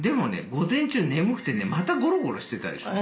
午前中眠くてねまたゴロゴロしてたでしょう？